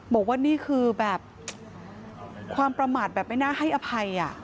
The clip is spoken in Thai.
บอกว่านี่คือแบบความประมาทแบบไม่น่าให้อภัย